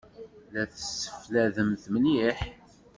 La tesseflademt mliḥ?